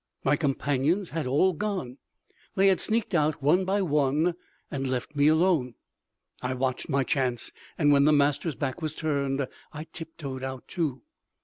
My companions had all gone. They had sneaked out one by one and left me alone. I watched my chance and when the Master's back was turned I tiptoed out, too.